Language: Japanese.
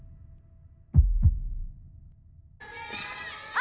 あ！